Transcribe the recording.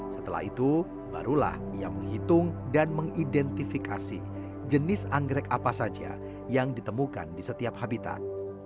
setelah itu barulah ia menghitung dan mengidentifikasi jenis anggrek apa saja yang ditemukan di setiap habitat